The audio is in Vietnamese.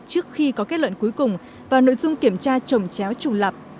trước khi có kết luận cuối cùng và nội dung kiểm tra trồng chéo trùng lập